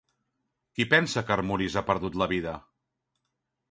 Qui pensa que Armuris ha perdut la vida?